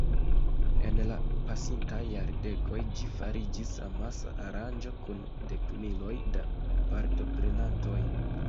En la pasintaj jardekoj ĝi fariĝis amasa aranĝo kun dekmiloj da partoprenantoj.